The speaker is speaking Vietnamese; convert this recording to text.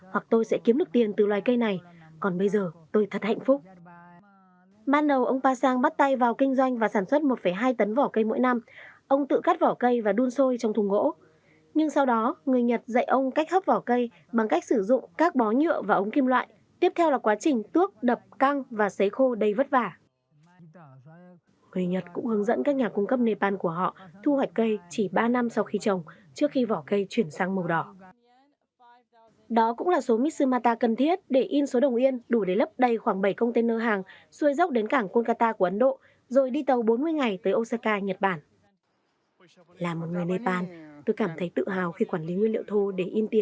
là một người nepal tôi cảm thấy tự hào khi quản lý nguyên liệu thô để in tiền của các nước giàu như nhật bản đó là một khoảnh khắc tuyệt vời đối với tôi